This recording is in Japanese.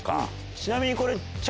ちなみにこれ。